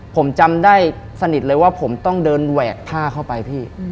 ผมจำได้สนิทเลยว่าผมต้องเดินแหวกผ้าเข้าไปพี่